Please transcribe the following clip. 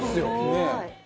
ねえ。